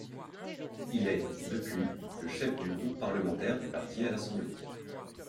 Il est, depuis, le chef du groupe parlementaire du parti à l'Assemblée.